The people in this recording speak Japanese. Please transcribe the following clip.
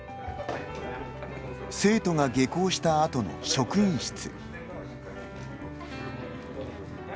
生徒が下校したあとの職員室。